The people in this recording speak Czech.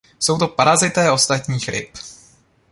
Jsou to parazité ostatních ryb.